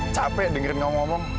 capek dengerin kamu ngomong